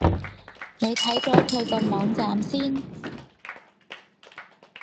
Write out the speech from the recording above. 你睇咗佢個網站先